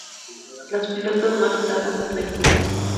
Los pilotos no estaban tranquilos.